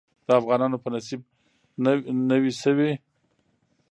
د افغانانو په نصيب نوى شوې.